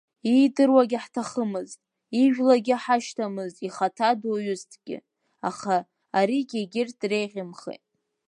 Иидыруагьы ҳҭахымызт, ижәлагьы ҳашьҭамызт ихаҭа дуаҩызҭгьы, аха аригьы егьырҭ дреӷьымхеит…